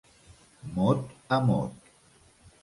Mot a mot.